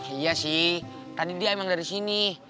iya sih tadi dia emang dari sini